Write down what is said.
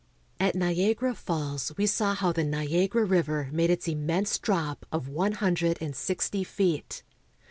At Niagara Falls we saw how the Niagara River made its immense drop of one hundred and sixty feet.